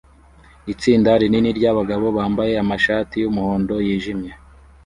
Itsinda rinini ryabagabo bambaye amashati yumuhondo yijimye